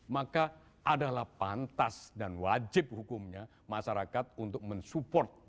maka adalah pantas dan wajib hukumnya masyarakat untuk mensupport